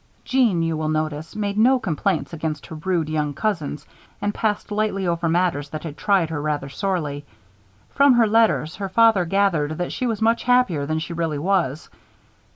Jeanne, you will notice, made no complaints against her rude young cousins and passed lightly over matters that had tried her rather sorely. From her letters, her father gathered that she was much happier than she really was.